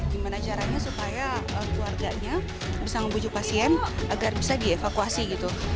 gimana caranya supaya keluarganya bisa membujuk pasien agar bisa dievakuasi gitu